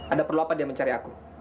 ada perlu apa dia mencari aku